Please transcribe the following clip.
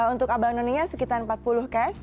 untuk abang noninya sekitar empat puluh cast